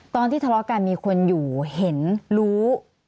ตอนที่ทะเลาะกันมีคนอยู่เห็นรู้